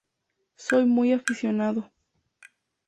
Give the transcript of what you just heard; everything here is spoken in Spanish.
Soy muy aficionado.